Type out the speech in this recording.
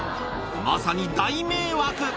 まさに大迷惑。